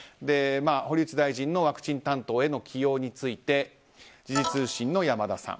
堀内大臣のワクチン担当への起用について時事通信の山田さん。